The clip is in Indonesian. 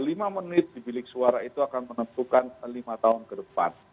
lima menit di bilik suara itu akan menentukan lima tahun ke depan